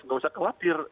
tidak usah khawatir